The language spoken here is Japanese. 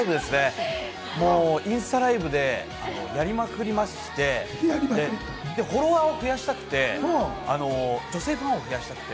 インスタライブでやりまくりまして、フォロワーを増やしたくて、女性ファンを増やしたくて、